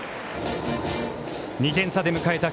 ２点差で迎えた